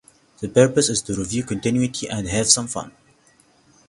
The Purpose is to review continuity and have some fun.